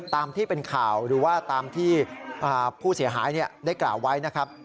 ตามที่เป็นข่าวหรือว่าตามที่ผู้เสียหายได้กล่าวไว้นะครับ